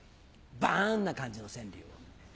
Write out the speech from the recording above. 「バーン！」な感じの川柳を。